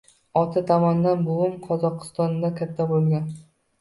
Ota tomondan buvim Qozogʻistonda katta boʻlgan.